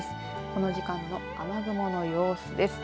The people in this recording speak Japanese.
この時間の雨雲の様子です。